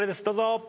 どうぞ。